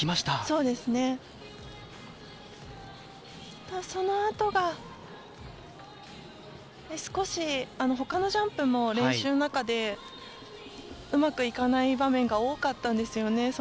ただ、そのあとが少し他のジャンプも練習の中でうまくいかない場面が多かったんですよね。